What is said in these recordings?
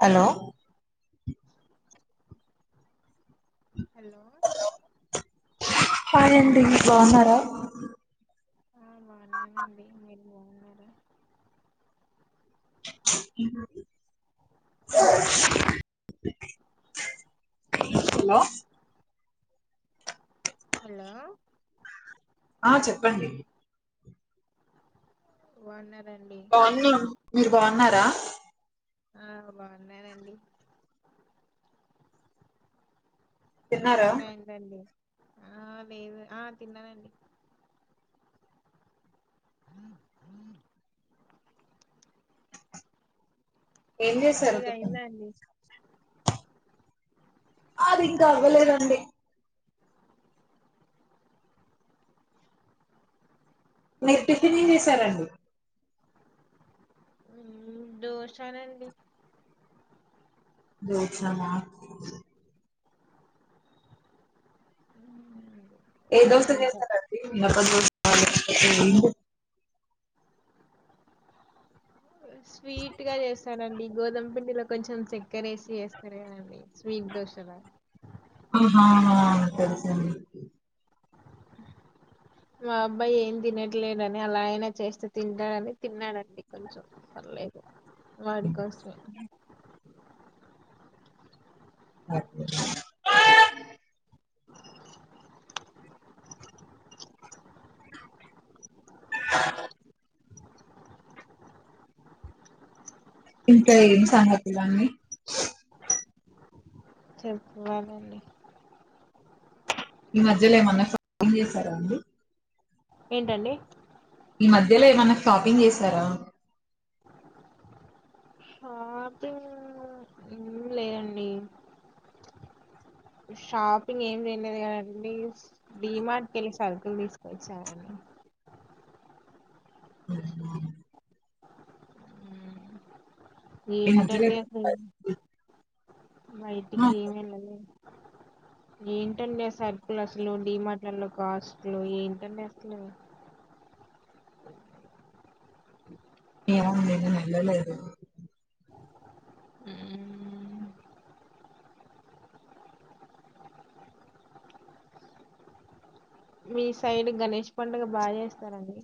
Hello [inaudible] hi అండి బాగున్నారా బావున్నా ఆ అ అన్నర హలో హలో ఆ చెప్పండి బావున్నార్ బాగున్నాం మీరు బాగున్నార ఆ బాగున్నానండి తిన్నారా కృష్ణునయనందండి ఆ లేదు ఆ తిన్ననండి ఏం చేశారు మీర టిఫిన్ ఇలా అండి అది ఇంకా అవ్వలేదండి మీరు టిఫిన్ ఏం చేసారండి దోషానండి దోస న ఏ దోస్త మీది ఇంకా చేస్తరండి [unintelligible] స్వీట్ గ చేస్తానండి గోధుమ పిండిల కొంచెం చెక్ ఎక్కరేసి వస్తారేదండి స్వీట్ దోశలు తెలుస అండి మా అబ్బాయి ఏం తినట్లేదుని అలా అయినా చేస్తే తింటాడని తిన్నాడండి కొంచెం పర్లేదు వాడి కోసమే ఒకే ఇంక ఏం సంగతులు అండి చెప్పాలాంటి ఈ మధ్యలో ఏమన్నా షాపింగ్ చేసారా అండి ఏంటండి ఈ మధ్యలో ఏమన్నా షాపింగ్ చేశారా షాపింగ్ ఏం లేదండి షాపింగ్ ఏం చేయలేదు కదండి డీమార్ట్కి వెళ్ళి సర్కుల్ తీసుకొచ్చానని [unintelligible] ఈ మధ్యలో ఏంటండి అసలు ఎప్పుడన్నా బైటికి ఏమేళద ఏంటండి సర్పులస్లు డీమట్లలో కాస్ట్లు ఏంటండి అసలు ఏ నల లేదు హమ్ మీ సైడ్ గణేష్ పండుగ బాగా చేస్తారండి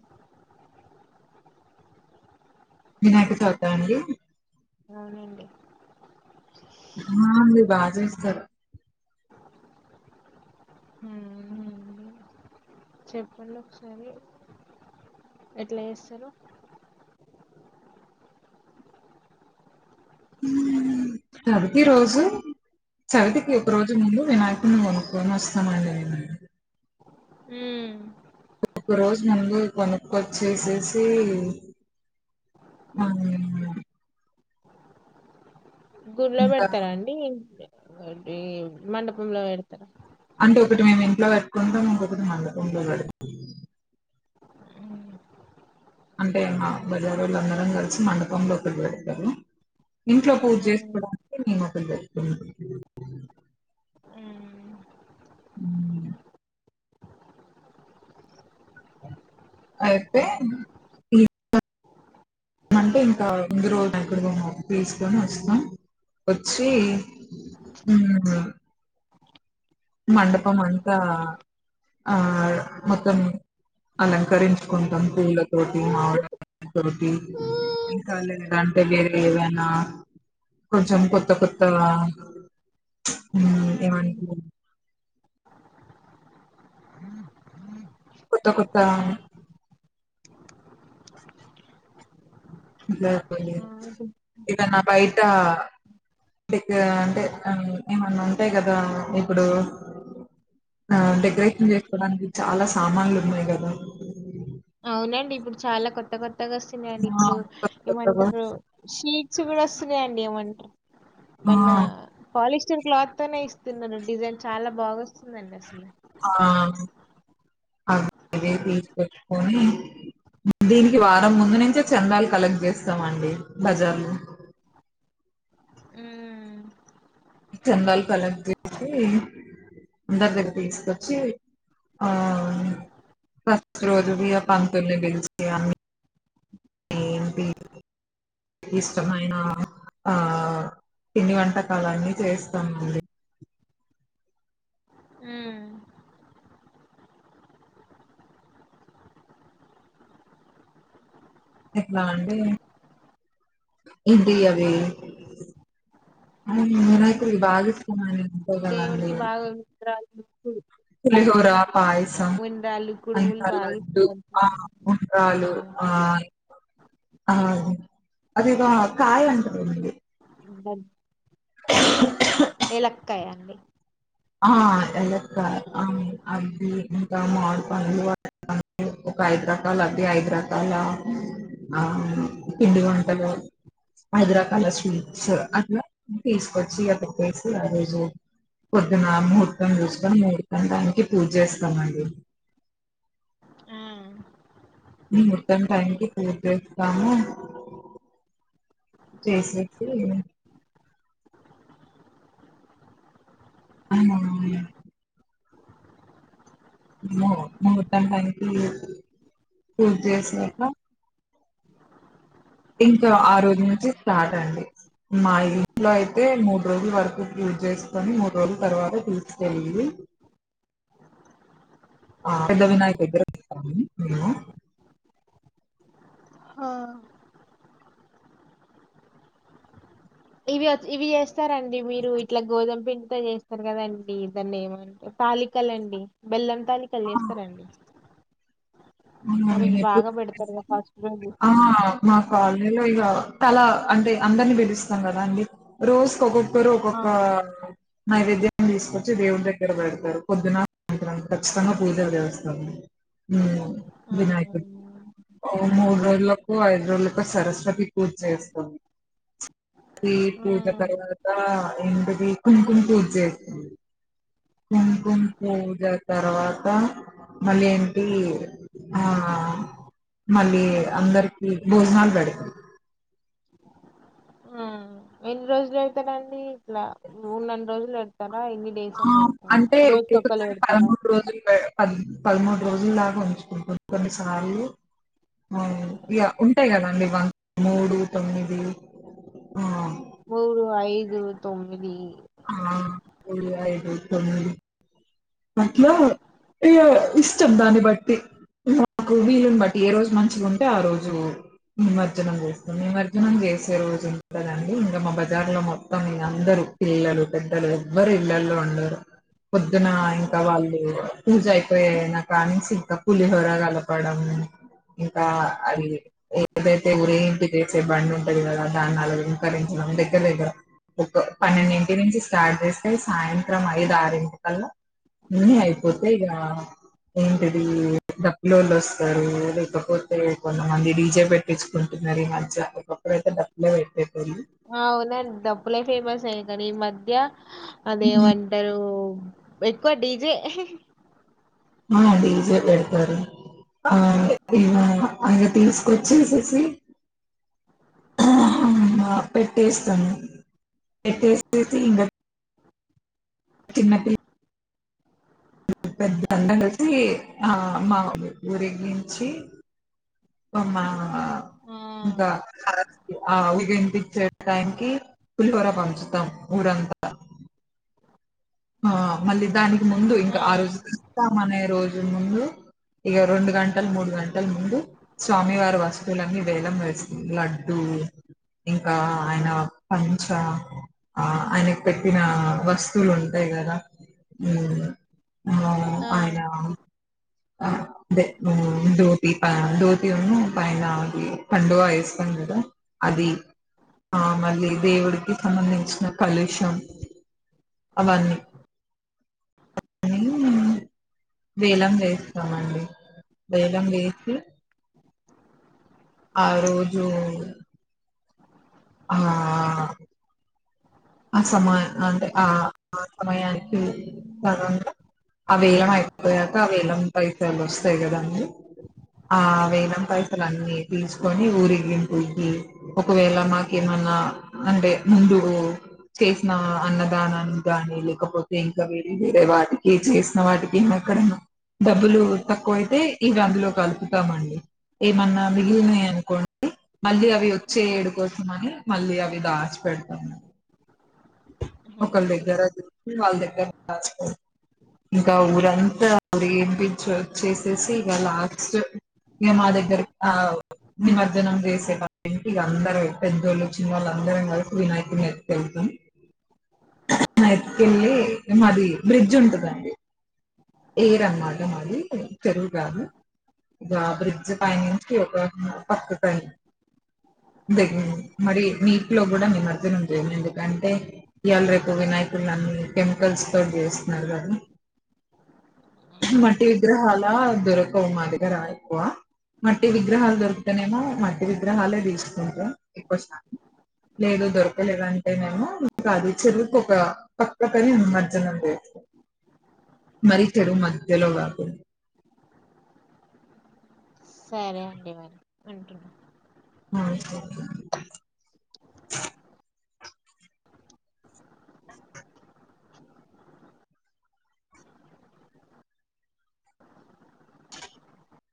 వినాయక చవిత అండి అవునండి ఆ మీ బాగా చేస్తరు చెప్పండి ఒకసారి ఎట్ల చేస్తరు చవితి రోజు చవితికి ఒక రోజు ముందు వినాయకుడిని కొనుక్కొని వస్తామండి నేను హమ్ ఒక రోజు ముందు కొనుక్క వచ్చేసేసి ఆ గుళ్లో ఇంకా పెడతారాండి అటి మండపంలో పెడతర అంటే ఒకటి మేము ఇంట్లో పెట్టుకుంటాం ఇంకొకటి మండ ఇంట్లో పెడతాం ఉమ్, అంటే మా బజారు వాళ్ళ అందరం కలిసి మండపంలో ఒకటి పెడతారు ఇంట్లో పూజ ఉమ్, చేసుకోవడానికి మేము ఒకటి పెట్తుం హమ్ అయితే అంటే ఇంకా ఇందు రోజు దగ్క్కడగా ఉన్నారు తీసుకోని వస్తాం వచ్చి మండపం అంతా ఆ మొత్తం అలంకరించుకుంటాం పూలతోటి మావిడ ఉమ్, తటి ఇంకా ఉమ్. లేదంటే ఏవైనా కొంచెం కొత్త కొత్త ఏవంటి కొత్త కొత్త ఇలాపో ఏదన్నా బయటె అంటే ఏమన్నా ఉంటాయి కదా ఇప్పుడు ఆ డెకరేషన్ చేసుకోడానికి చాలా సామాన్లు ఉన్నాయి కదా అవునండి ఇప్పుడు చాలా కొత్త కొత్త కొత్తగా వస్తున్నాయండి ఆ! ఇప్పుడు కొత్త కొత్తగా ఏమంటారు షీట్స్ కూడా వస్తున్నాయండి ఏమంటారు ఆ! మన్న పాలిస్టర్ క్లాత్ అనే ఇస్తండి డిజైన్ చాలా బాగా వస్తుందండి అసలు ఆ అ అదే తీసుకెట్టుకని దీనికి వారం ముందు నుంచే చెందలు కలెక్ట్ చేస్తమ అండి బజార్ లో ఉమ్, చందాలు కలెక్ దసి అందరి దగ్గర తీసుకొచ్చి ఆ ఫస్ రోజు బయ పంతుల్ని గెలిచి అ ఏంటి ఇష్టమైన ఆ పిడి వంటకాలన్ని చేస్తామండి ఉమ్, ఎట్లా అండి ఇంటి అవి ఉమ్. తే బా దేవుడికి బాగా [unintelligible] పులిహోర పాయసం ఉండ్రాళ్ళు అంత కుడుములు బాగా లడ్డు ఇస్తారు ఆ ఉండ్రాలు ఉమ్, ఆ ఆ అది ఒక కాయ అంటరు అండి [unintelligible] ఎలక్కయా అండి ఆ ఎలక్కయ్ ఆమ్ అది ఇంకా మామిడి పండ్లు ఒక ఐదు రకాల అది ఐదు రాకాల ఆ పిండి వంటలు ఐదు రకాల స్వీట్స్ అట్లా తీసుకొచ్చి అక్కేడ ఎసి ఆ రోజు పొద్దున్న ముహూర్తం చూసుకొని ముహూర్తం టైంకి పూజేస్తామండి ఆ మొత్తం టైంకిి పూర్తిచేస్తాము చేసేసి అ ము ముహూర్తం టైం కీ పూర్తి చేసినక ఇంకా ఆ రోజు నుంచి స్టార్ట్ అండి మా ఇంట్లో అయితే మూడు రోజుల వరకు పూజేసుకొని మూడు రోజుల తర్వాత తీసుకెళ్ళి ఆ పెద్ద వినాయకుడి దగ్గర [unintelligible] మేము ఆ ఇవి అచ్ ఇవి చెస్ స్తారండి మీరు ఇట్లా గోధుమ పిండి చేస్తారు కదండి దాన్ని ఏమంటర్ తాలికలండి బెల్లం తలికల్ చేస్తారా అండి మ్మ్ ఎప్పుడు బాగా పెడతారు కదా ఫస్ట్ రోజు [inaudible] ఆ మా కాల్నీలో ఇగ తల అంటే అందరినీ పిలుస్తాం కదా అండి రోజకోక్కో ఓక్కరు ఆ ఒక్కొక్క నైవేద్యాన్ని తీసుకొచ్చి దేవుడి దగ్గర పెడతరు పొద్దున సాయంత్రం ఖచ్చితంగా పూజల్ చేస్థాము మ్మ్ ఆ వినాయకుడికి ఓ మూడు రోజులకు ఐదు రోజులకు సరస్వతి పూజ చేస్తం సరస్వతి పూజ ఆ తర్వాత ఏంటిది కుంకుమ పూజ చేస్తం కుంకుమ పూజ తర్వాత మళ్ళీ ఏంటి ఆ మళ్ళీ అందరికి భోజనాలు పెడతం ఆ ఎన్ని రోజులు ఏడ్తరండీ ఇట్లా ఉన్నన్ని రోజులు పెడతారా ఎన్ని డేస్ ఆ అని పెడతారా అంటే రోజుకి ఒక్కలు ఒకసారి పెడతారా పదమూడు రోజులు ప పదమూడు రోజులలాగా ఉంచుకుంటం కొన్ని సార్లు ఆ ఇగ ఉంటాయి కదండి వన్ మూడు తొమ్మిది ఆ ప మూడు ఐదు తొమ్మిది ఆ మూడు అయిదు తొమ్మిది అట్లా ఇగా ఇష్టం దాన్ని బట్టి మాకు వీలున్ బట్టి ఏ రోజు మంచిగా ఉంటే ఆ రోజు నిమజ్జనం చేస్తాం నిమజ్జనం చేసే రోజు ఉంటదండి ఇంకా మా బజార్ లో మొత్తం మీ అందరు పిల్లలు పెద్దలు ఎవ్వరు ఇళ్లల్లో ఉండరు పొద్దునా ఇంకా వాళ్ళు పూజ అయిపోయినా కానుంచి ఇంకా పులిహోర కలపడం ఇంకా అది ఏదైతే ఊరేగింపు చేసే బండి ఉంటది కదా దాన్ని అలంకరించడం దగ్గర దగ్గర ఒక పన్నెండింటి నుంచి స్టార్ట్ చేస్తే సాయంత్రం ఐదు ఆరుంటికల్లా అయిపోతే ఇగ ఏంటిది డప్పులోళ్ళు వస్తారు లేకపోతే కొంతమంది డీజే పెట్టించుకుంటున్నారు ఈ మధ్య ఒకప్పుడయితే డప్పులే పెట్టేపోళు అ అవునండి డప్పులే ఫేమసే కానీ ఈ మధ్య అదేమంటారు ఎకువ డీజే ఆ డీజే పెడతారు ఆ ఇలా అంగ తీసుకొచ్చేేసెసి పెట్టేస్తాను పెట్టేసేసి ఇంకా కిన్నతి పెద్దంత కలిసి ఆ మా ఊరేగించి ఉమ మా ఆ ఆ ఇంకా ఆ [unintelligible] ముగింపించేయ్ టైమ్‌ కి, పులిహోర పంపిస్తాం ఊరంతా. ఆ మళ్లీ దానికి ముందు ఇంకా ఆరోజు. ఆ తీస్తం అనే రోజూ ముందు. అయ్య్ రెండు గంటల, మూడు గంటల ముందు. స్వామి వారి వస్తువులు అని వేలం వేసి లడ్డూలు. ఇంకా అయ్యన పంచా ఆ అయ్యన పెట్టిన వస్తువులు ఉం. అంతే కదా, నేనున్నా! హ్మ్, ఆ అయినా. ఆ అదే! ముందు దోతి, ఆ దోతి పై నాకి కండువా వేస్తాం కదా, అది! ఆ మళ్లీ దేవుడికి సంబంధించిన కలెక్షన్, అవ్వొని [unintelligible] వేలం వేస్. ఉమ్ స్తామండి. వేలం ఏసి. ఆరోజు! ఆ. ఆ సమయ అంటే! ఆ. ఆ సమయానికి, [unintelligible] ఆ వేలం అయిపోయాక ఆ వేలం పైసలు వస్తాయి కదా అని, ఆ వేలం పైసలను తీసుకొని ఊరేగింపుకి, ఒకవేళ మాకేమన్నా అంటే! ముందు. చేసిన అన్నదానానికి గాని, లేకపోతే వేరే వేరే వాటికి చేసిన వాటికి ఎక్కడనైనా డబ్బులు తక్కువైతే, ఇవి అందులో కలుపుతామండి. ఏమన్నా మిగిలి ఉన్నాయనుకోండి. మళ్లీ అవి, వచ్చే ఉమ్ ఏడుకోసం అని. మళ్లీ, అవి దాసి పెడతామండి. [inaudible] హా ఒకళ్ల దగ్గర దొర్. మీ వాళ్ల దగ్గర [unintelligible] ఇంకా ఊరంతా ఊరేగింపించి వచ్చేసేసి, ఇగా లాస్ట్‌, ఇంకా మా దగ్గర ఆ [unintelligible] నిమజ్జనం చేసే వాళ్లు ఏంటి? అందరూ పెద్దోళ్ళు చిన్నోళ్లు అందరం కలిసి వినాయకుడిని ఎత్తుకెళ్తాం. నైట్టియల్లి, మాది బ్రిడ్జ్ ఉంటుదండి! ఎర్ర్ అనమాట మాది చెరువు కాదు, ఇగా బ్రిడ్జ్ పైనుంచి ఒక పక్కకాని. [unintelligible] మరి నీటిలో కూడా నిమజ్జనం చేయం ఎందుకంటే ఈయాలా రేపు వినాయకులు అని కెమికల్స్‌తో చేస్తున్నారు కదా. మట్టి విగ్రహాల దొరకవు మా దగ్గర, ఎక్కువ. మట్టి విగ్రహాలు దొరుకుతనేమో మట్టి విగ్రహాలే తీసుకుంటాం. ఎక్కువశాతం! లేదు, దొరకలేదంటేనేమో కాదు చెరువుకు, ఒక పక్కకాని నిమజ్జనం చేస్తాం. మరి చెరువు మధ్యలో కాకుండా! సరే అండి! మరి. అంటున్నా! నాయిస్ [unintelligible] ఎవరిది? [inaudible]